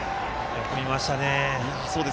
よく見ましたね。